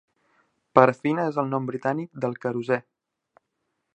Parafina és el nom britànic del querosè